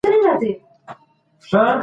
که د واده وي که بل دغسي دعوت وي.